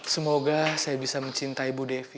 semoga saya bisa mencintai ibu devi